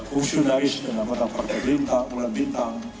fungsionaris dengan partai bulan bintang